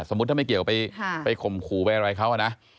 สมมุติถ้าไม่เกี่ยวกับไปข่มขู่ไปอะไรเขานะ